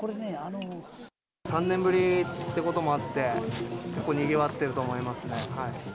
３年ぶりってこともあって、結構にぎわってると思いますね。